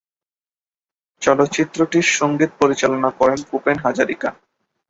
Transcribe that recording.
চলচ্চিত্রটির সংগীত পরিচালনা করেন ভূপেন হাজারিকা।